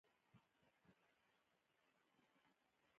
مرسل په لغت کښي مطلق او آزاد سوي ته وايي.